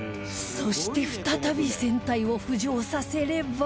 そして再び船体を浮上させれば